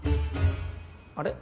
あれ？